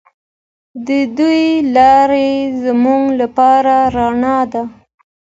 د دوی لاره زموږ لپاره رڼا ده.